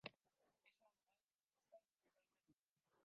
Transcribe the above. Es un abogado, periodista y escritor peruano.